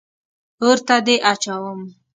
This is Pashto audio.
اور ته دې اچوم.